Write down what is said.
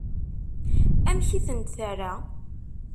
Amek i tent-terra?